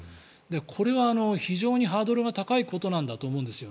これは非常にハードルが高いことなんだと思うんです。